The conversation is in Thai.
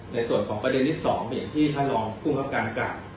ในส่วนของประเด็นนี้สองเป็นอย่างที่ท่านลองพุ่งกับการการ